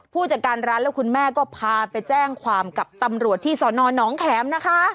ผู้จัดการร้านและคุณแม่ก็พาไปแจ้งความกับตำรวจที่สอนอนน้องแขมนะคะ